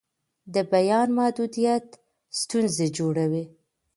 د بیان محدودیت ستونزې جوړوي